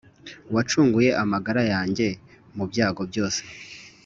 wacunguye amagara yanjye mu byago byose,